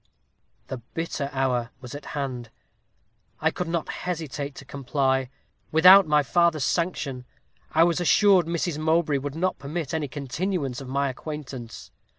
"The bitter hour was at hand. I could not hesitate to comply. Without my father's sanction, I was assured Mrs. Mowbray would not permit any continuance of my acquaintance.